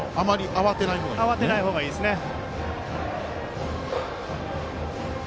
慌てない方がいいですね。